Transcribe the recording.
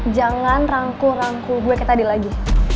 jangan rangkul rangkul gue kayak tadi lagi